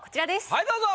はいどうぞ。